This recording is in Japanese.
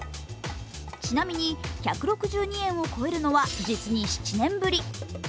ちなみに１６２円を超えるのは実に７年ぶり。